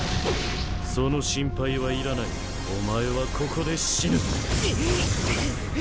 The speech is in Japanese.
その心配はいらないお前はここで死ぬ！